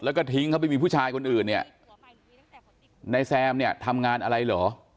แล้วก็ทิ้งเขาไปมีผู้ชายคนอื่นเนี่ยนายแซมเนี่ยทำงานอะไรเหรอ